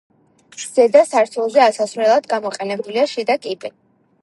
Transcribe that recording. ზედა სართულზე ასასვლელად გამოყენებულია შიდა კიბე.